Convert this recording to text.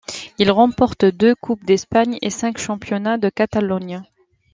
Il remporte deux Coupes d'Espagne et cinq championnats de Catalogne.